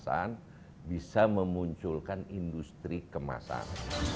minyak goreng kemasan bisa memunculkan industri kemasan